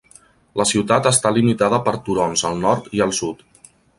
La ciutat està limitada per turons al nord i al sud.